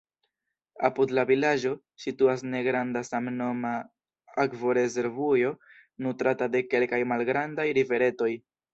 Apud la vilaĝo situas negranda samnoma akvorezervujo, nutrata de kelkaj malgrandaj riveretoj.